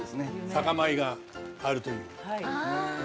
酒米があるという。